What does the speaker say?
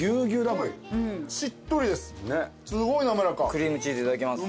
クリームチーズいただきます。